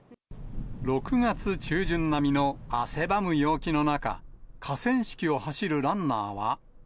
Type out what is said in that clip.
６月中旬並みの汗ばむ陽気の中、河川敷を走るランナーは。